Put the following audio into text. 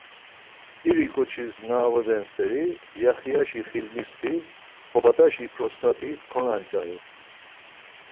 İri ǩoçis na ağoden steri Yaxiyaşi Hilmisti obadalaşi p̌rost̆at̆i konanç̌aru.